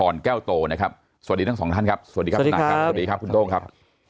แก้วโตนะครับสวัสดีทั้งสองท่านครับสวัสดีครับทนายครับสวัสดีครับคุณโต้งครับ